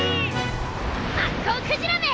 マッコウクジラめ！